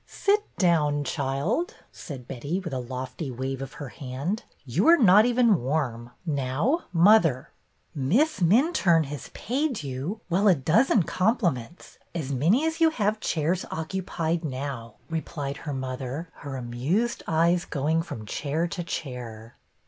'' Sit down, child," said Betty, with a lofty wave of her hand. You are not even warm. Now, mother." Miss Minturne has paid you a — well, a dozen compliments, as many as you have chairs occupied now," her mother replied, her amused eyes going from chair to chair.